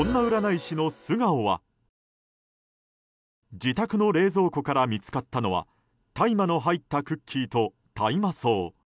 自宅の冷蔵庫から見つかったのは大麻の入ったクッキーと大麻草。